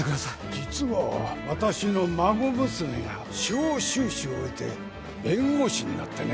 実は私の孫娘が司法修習を終えて弁護士になってね